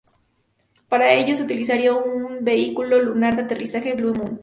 Para ello, se utilizaría su vehículo lunar de aterrizaje Blue Moon.